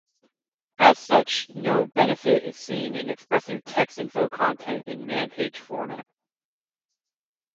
As such, no benefit is seen in expressing Texinfo content in man page format.